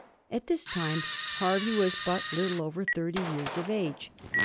At this time Hervey was but little over thirty years of age.